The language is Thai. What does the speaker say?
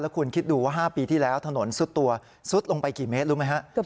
คุณคิดดูว่า๕ปีที่แล้วถนนซุดตัวซุดลงไปกี่เมตรรู้ไหมครับ